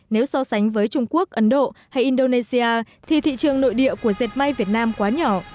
nếu so sánh với trung quốc ấn độ hay indonesia thì thị trường nội địa của dệt may việt nam quá nhỏ